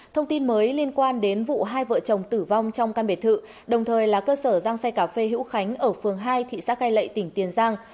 thông tin mới liên quan đến vụ hai vợ chồng tử vong trong căn bể thự đồng thời là cơ sở giang xe cà phê hữu khánh ở phường hai thị xã cai lệ tỉnh tiền giang